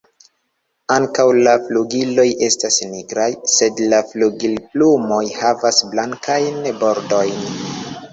Ankaŭ la flugiloj estas nigraj, sed la flugilplumoj havas blankajn bordojn.